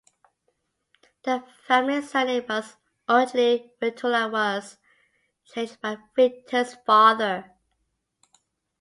The family surname was originally Vintula, and was changed by Vinton's father.